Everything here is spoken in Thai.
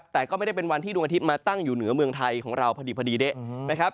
แต่ก็ไม่ได้เป็นวันที่ดวงอาทิตย์มาตั้งอยู่เหนือเมืองไทยของเราพอดีเด๊ะนะครับ